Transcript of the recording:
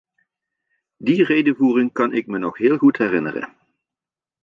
Die redevoering kan ik me nog heel goed herinneren.